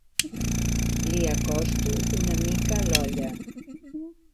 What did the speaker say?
Li acosto una mica l'olla.